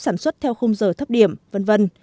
sản xuất theo khung giờ thấp điểm v v